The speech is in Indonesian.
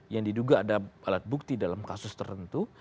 yang diduga ada alat bukti dalam kasus tertentu